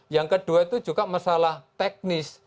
yang kedua itu juga masalah teknis